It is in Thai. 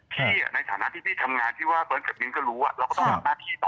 พี่ในฐานะที่พี่ทำงานที่ว่าเบิร์ตกับมิ้นก็รู้เราก็ต้องทำหน้าที่ต่อ